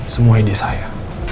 semua ini saya